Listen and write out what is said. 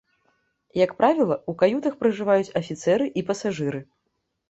Як правіла, у каютах пражываюць афіцэры і пасажыры.